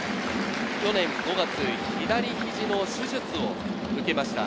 去年５月、左肘の手術を受けました。